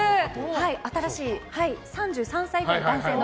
新しい３３歳ぐらいの男性の。